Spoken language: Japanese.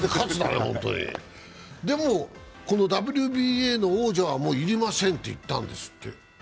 でも、このＷＢＡの王者は要りませんって言ったんですって。